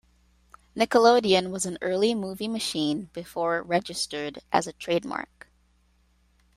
"Nickelodeon" was an early movie machine before registered as a trademark.